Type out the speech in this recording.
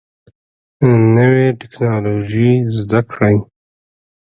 نوي ټکنالوژي زده کړئ